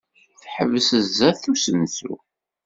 Teḥbes sdat usensu.